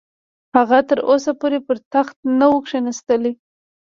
هغه تر اوسه پورې پر تخت نه وو کښېنستلی.